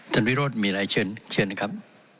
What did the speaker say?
ท่านฟิโรสมีอะไร้เชิญนะครับ